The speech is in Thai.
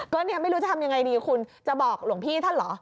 ก็เนี่ยไม่รู้จะทำยังไงดีคุณจะบอกหลวงพี่ท่านเหรอ